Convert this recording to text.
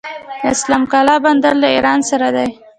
د اسلام قلعه بندر له ایران سره دی